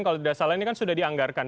kalau tidak salah ini kan sudah dianggarkan